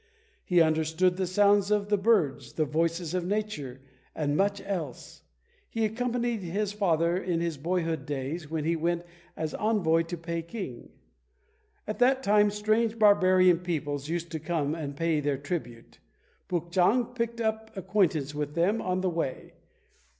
He understood the sounds of the birds, the voices of Nature, and much else. He accompanied his father in his boyhood days when he went as envoy to Peking. At that time, strange barbarian peoples used also to come and pay their tribute. Puk chang picked up acquaintance with them on the way.